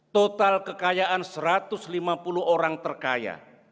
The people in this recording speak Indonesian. total kekayaan satu ratus lima puluh orang terkaya